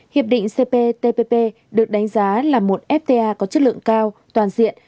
hiệp định cptpp được đánh giá là một fta có chất lượng cao toàn diện